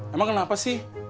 emang kenapa sih